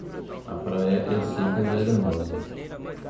A praia é seca e arenosa.